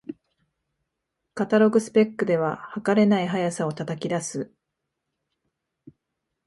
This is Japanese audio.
カタログスペックでは、はかれない速さを叩き出す